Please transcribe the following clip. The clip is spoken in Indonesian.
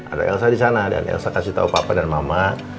ada elsa disana dan elsa kasih tau papa dan mama